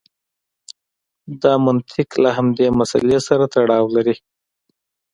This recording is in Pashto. دا منطق له همدې مسئلې سره تړاو لري.